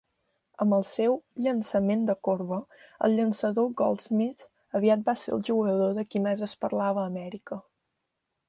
Amb el seu "llançament de corba", el llançador Goldsmith aviat va ser el jugador de qui més es parlava a Amèrica!